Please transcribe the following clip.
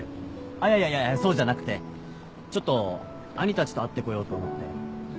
あっいやいやいやそうじゃなくてちょっと兄たちと会ってこようと思って。